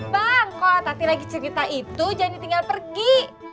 bang kalau tati lagi cerita itu jani tinggal pergi